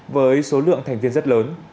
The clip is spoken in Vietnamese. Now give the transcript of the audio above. với số lượng thành viên rất lớn